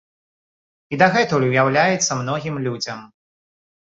І дагэтуль уяўляецца многім людзям.